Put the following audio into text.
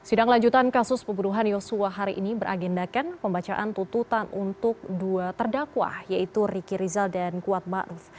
sidang lanjutan kasus pembunuhan yosua hari ini beragendakan pembacaan tututan untuk dua terdakwah yaitu riki rizal dan kuat ma ruf